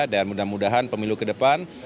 dan mudah mudahan pemilu ke depan